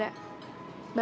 bapaknya mau ke medan